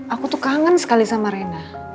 aku tuh kangen sekali sama rena